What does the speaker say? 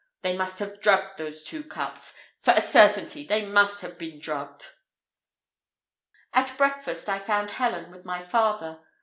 They must have been drugged those two cups for a certainty, they must have been drugged." At breakfast, I found Helen with my father.